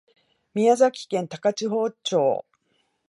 宮崎県高千穂町